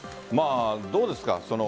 どうですか？